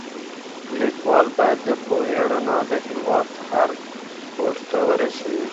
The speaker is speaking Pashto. ليکوال بايد د پوهي رڼا د هېواد هر ګوټ ته ورسوي.